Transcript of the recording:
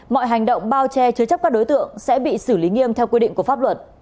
mọi hành động bao che chứa chấp các đối tượng sẽ bị xử lý nghiêm theo quy định của pháp luật